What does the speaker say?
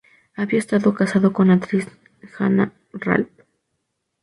Había estado casado con la actriz Hanna Ralph.